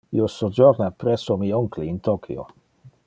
Io sojorna presso mi oncle in Tokio.